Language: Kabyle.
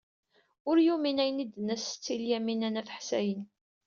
Ur yumin ayen ay d-tenna Setti Lyamina n At Ḥsayen.